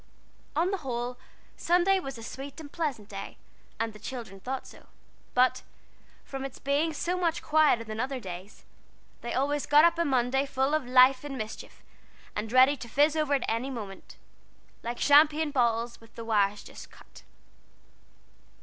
On the whole, Sunday was a sweet and pleasant day, and the children thought so; but, from its being so much quieter than other days, they always got up on Monday full of life and mischief, and ready to fizz over at any minute, like champagne bottles with the wires just cut.